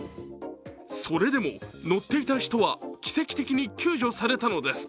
それでも乗っていた人は奇跡的に救助されたのです。